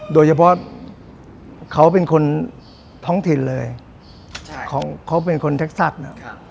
โดยเฉพาะเขาเป็นคนท้องถิ่นเลยเขาเป็นคนเท็กซักนะ